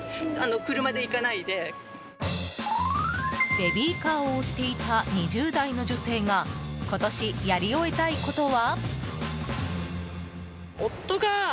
ベビーカーを押していた２０代の女性が今年やり終えたいことは。